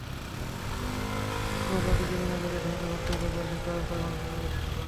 কোনো জাতিকে বিনা যুদ্ধে ধ্বংস করতে হলে তার শিক্ষাব্যবস্থাকে ধ্বংস করাই যথেষ্ট।